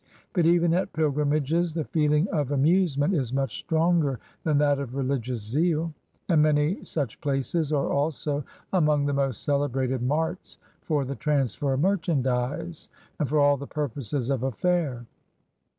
But even at pilgrimages, the feeling of amusement is much stronger than that of reHgious zeal ; and many such places are also among the most celebrated marts for the transfer of merchandise and for all the purposes of a fair.